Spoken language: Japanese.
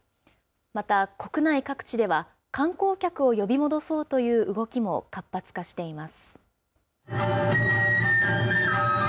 また、国内各地では、観光客を呼び戻そうという動きも活発化しています。